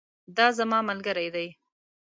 دا زما ملګری دی